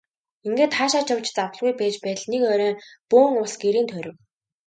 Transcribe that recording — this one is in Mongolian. Ингээд хаашаа ч явж завдалгүй байж байтал нэг орой бөөн улс гэрийг нь тойров.